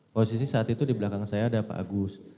posisi saat itu di belakang saya ada pak agus